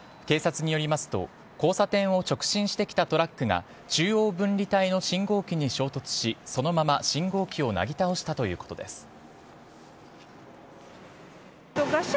警察によりますと交差点を直進してきたトラックが中央分離帯の信号機に衝突しそのまま信号機をなぎ倒したということです。